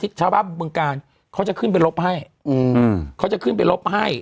ทุกคนชาวบ้านบริเวณเบื้องการเขาจะขึ้นไปรบให้เขาจะขึ้นไปรบให้